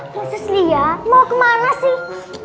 khusus lia mau kemana sih